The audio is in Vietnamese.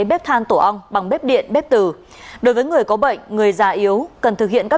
bếp than tổ ong bằng bếp điện bếp từ đối với người có bệnh người già yếu cần thực hiện các